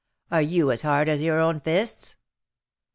Are you as hard as your own fists?"